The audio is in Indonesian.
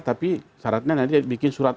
tapi syaratnya nanti bikin surat